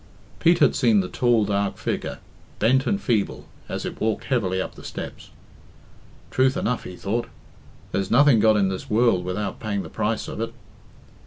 Pete had seen the tall, dark figure, bent and feeble, as it walked heavily up the steps. "Truth enough," he thought, "there's nothing got in this world without paying the price of it."